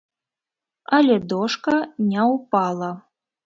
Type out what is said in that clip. Але дошка не ўпала.